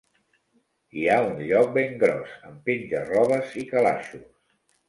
Hi ha un lloc ben gros, amb penja-robes i calaixos.